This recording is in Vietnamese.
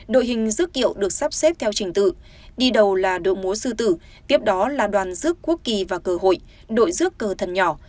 đội hình dứt kiệu được sắp xếp theo trình tự đi đầu là đội múa sư tử tiếp đó là đoàn rước quốc kỳ và cờ hội đội rước cờ thần nhỏ